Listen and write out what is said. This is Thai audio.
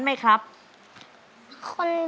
หาร้องหน่อย